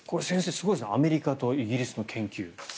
すごいですねアメリカとイギリスの研究。